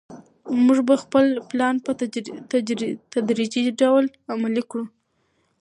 موږ به خپل پلان په تدریجي ډول عملي کړو.